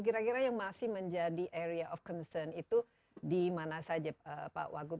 kira kira yang masih menjadi area of concern itu di mana saja pak wagub